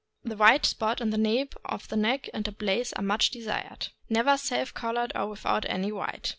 The white spot on the nape of the neck and a blaze are much desired. Never self colored or without any white.